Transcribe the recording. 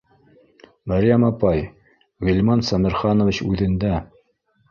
— Мәрйәм апай, Ғилман Сәмерханович үҙендә